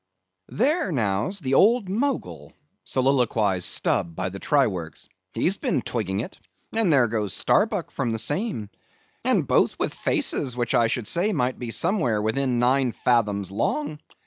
"There now's the old Mogul," soliloquized Stubb by the try works, "he's been twigging it; and there goes Starbuck from the same, and both with faces which I should say might be somewhere within nine fathoms long.